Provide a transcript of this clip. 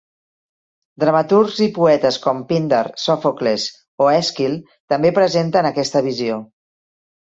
Dramaturgs i poetes com Píndar, Sòfocles o Èsquil també presenten aquesta visió.